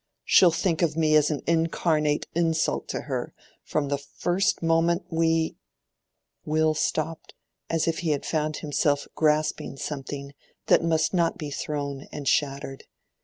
She'll think of me as an incarnate insult to her, from the first moment we—" Will stopped as if he had found himself grasping something that must not be thrown and shattered.